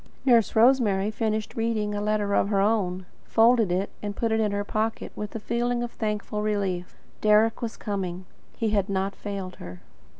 Nurse Rosemary finished reading a letter of her own, folded it, and put it in her pocket with a feeling of thankful relief. Deryck was coming. He had not failed her.